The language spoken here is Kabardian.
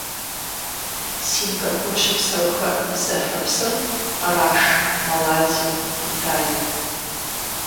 Сингапур щыпсэухэр зэфэ псыр къраш Малайзием, Китайм.